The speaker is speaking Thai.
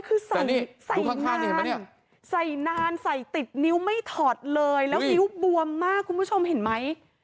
คือใส่นานใส่ติดนิ้วไม่ถอดเลยแล้วนิ้วบวมมากคุณผู้ชมเห็นมั้ย